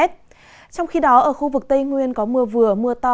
trong khi đó ở khu vực tây nguyên có mưa vừa mưa to